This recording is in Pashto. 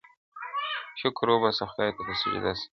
شکر وباسمه خدای ته په سجده سم,